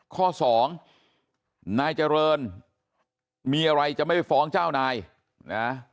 ข้อสองนายเจริญมีอะไรจะไม่ฟ้องเจ้านายนะ